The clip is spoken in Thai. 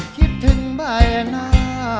คิดถึงบ่ายหน้า